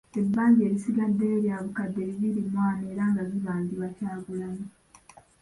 Ebbanja erisigaddeyo lya bukadde bibiri mu ana era nga zibangibwa Kyagulanyi.